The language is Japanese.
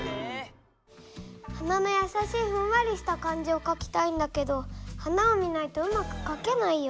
花のやさしいふんわりした感じをかきたいんだけど花を見ないとうまくかけないよ。